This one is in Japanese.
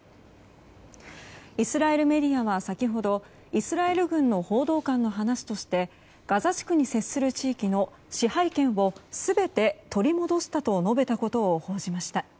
イスラエルメディアは先ほどイスラエル軍の報道官の話としてガザ地区に接する地域の支配権を全て取り戻したと述べたことを報じました。